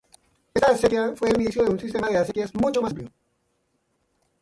Esta acequia, fue el inicio de un sistema de acequias mucho más amplio.